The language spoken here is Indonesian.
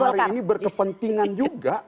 hari ini berkepentingan juga